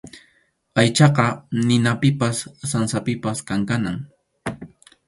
Aychaqa ninapipas sansapipas kankanam.